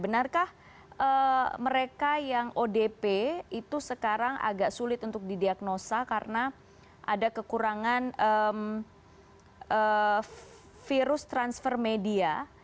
benarkah mereka yang odp itu sekarang agak sulit untuk didiagnosa karena ada kekurangan virus transfer media